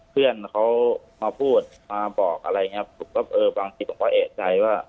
เพื่อนเขามาพูดมาบอกอะไรอย่างเงี้ยผมก็เออบางทีผมก็เอกใจว่า